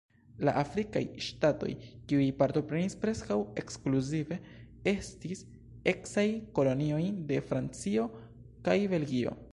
La afrikaj ŝtatoj, kiuj partoprenis, preskaŭ ekskluzive estis eksaj kolonioj de Francio kaj Belgio.